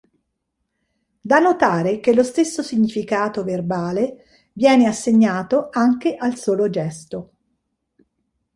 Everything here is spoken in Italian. Da notare che lo stesso significato verbale viene assegnato anche al solo gesto.